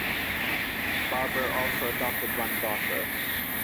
Barber also adopted one daughter.